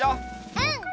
うん！